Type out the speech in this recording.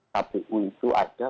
kpu itu ada